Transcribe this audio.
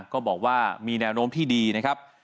ก็บอกว่ามีแนวโน้มที่ดีนะครับ